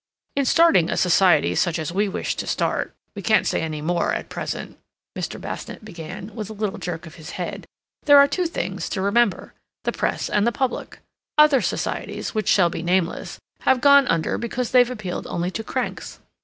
"In starting a society such as we wish to start (we can't say any more at present)," Mr. Basnett began, with a little jerk of his head, "there are two things to remember—the Press and the public. Other societies, which shall be nameless, have gone under because they've appealed only to cranks.